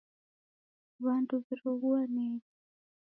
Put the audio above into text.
W'andu w'iroghuaneghe.